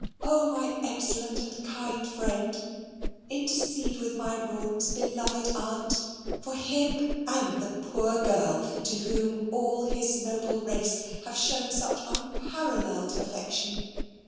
O, my excellent and kind friend, intercede with my Rawdon's beloved aunt for him and the poor girl to whom all HIS NOBLE RACE have shown such UNPARALLELED AFFECTION.